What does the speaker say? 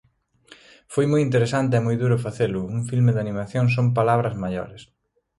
Foi moi interesante e moi duro facelo, un filme de animación son palabras maiores.